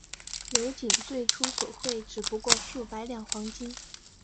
刘瑾最初索贿只不过数百两黄金。